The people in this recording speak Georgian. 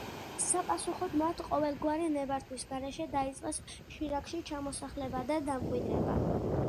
საპასუხოდ მათ ყოველგვარი ნებართვის გარეშე დაიწყეს შირაქში ჩამოსახლება და დამკვიდრება.